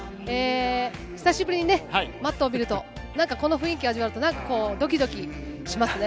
久しぶりにね、マットを見るとこの雰囲気を味わうと、何かドキドキしますね。